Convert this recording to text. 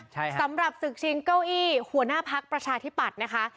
ใช่ค่ะสำหรับศึกชิงเก้าอี้หัวหน้าพักประชาธิปัตย์นะคะ